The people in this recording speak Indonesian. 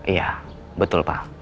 iya betul pak